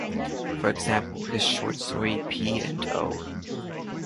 For example, his short story, P. and O.